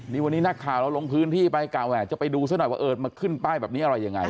นี่วันนี้นักข่าวเราลงพื้นที่ไปกะแหวนจะไปดูซะหน่อยว่าเออมาขึ้นป้ายแบบนี้อะไรยังไง